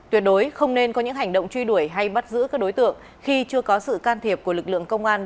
tuyệt đối không nên có những hành động truy đuổi hay bắt giữ các đối tượng khi chưa có sự can thiệp của lực lượng công an